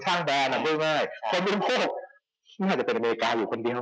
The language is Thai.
คนบริโภคน่าจะเป็นอเมริกา๒๓๕อยู่คนเดียว